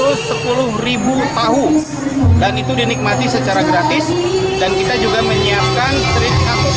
dan kita juga menyiapkan seri satu lima